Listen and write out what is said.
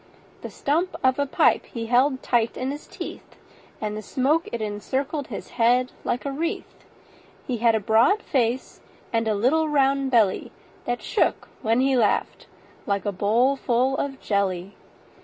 The stump of a pipe he held tight in his teeth, And the smoke it encircled his head like a wreath. He had a broad face and a little round belly That shook, when he laughed, like a bowl full of jelly.